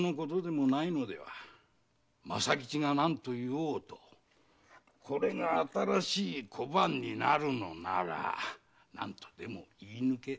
政吉が何と言おうとこれが新しい小判になるのなら何とでも言い抜けできましょう？